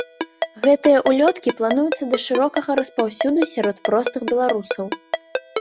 Гэтыя ўлёткі плануюцца да шырокага распаўсюду сярод простых беларусаў.